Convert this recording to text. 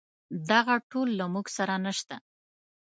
دغه ټول له موږ سره نشته.